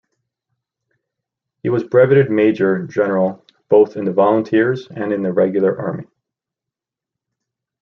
He was breveted major general both in the volunteers and in the Regular Army.